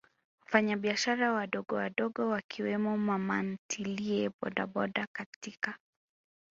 wafanyabiashara wadogowadogo Wakiwemo mamantilie bodaboda katika